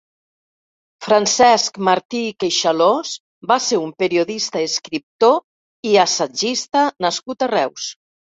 Francesc Martí i Queixalós va ser un periodista escrptor i assagista nascut a Reus.